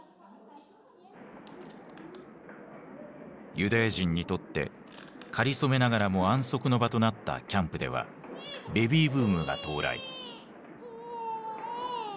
ユダヤ人にとってかりそめながらも安息の場となったキャンプではベビーブームが到来。